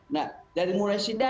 nah dari mulai situlah